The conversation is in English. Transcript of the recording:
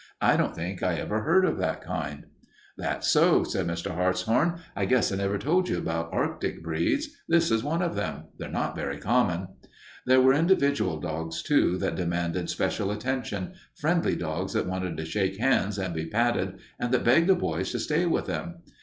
"I don't think I ever heard of that kind." "That's so," said Mr. Hartshorn. "I guess I never told you about the Arctic breeds. This is one of them. They're not very common." There were individual dogs, too, that demanded special attention, friendly dogs that wanted to shake hands and be patted and that begged the boys to stay with them.